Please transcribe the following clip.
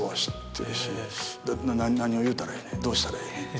「何を言うたらええねんどうしたらええねん」って。